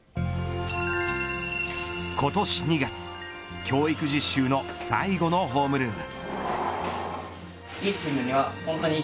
今年２月教育実習の最後のホームルーム。